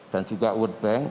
dan juga world bank